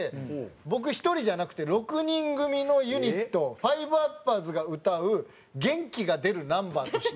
僕一人じゃなくて６人組のユニット５ｕｐｐｅｒｓが歌う元気が出るナンバーとして。